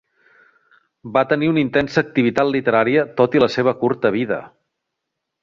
Va tenir una intensa activitat literària tot i la seva curta vida.